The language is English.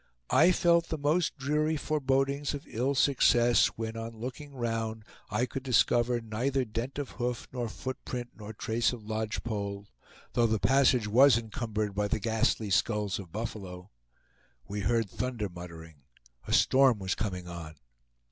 I felt the most dreary forebodings of ill success, when on looking round I could discover neither dent of hoof, nor footprint, nor trace of lodge pole, though the passage was encumbered by the ghastly skulls of buffalo. We heard thunder muttering; a storm was coming on.